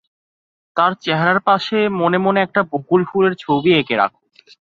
তাঁর চেহারার পাশে মনে মনে একটা বকুল ফুলের ছবি এঁকে রাখো।